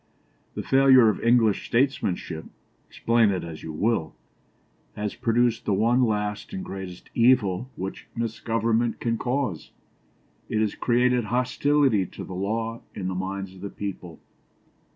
The failure of English statesmanship, explain it as you will, has produced the one last and greatest evil which misgovernment can cause. It has created hostility to the law in the minds of the people.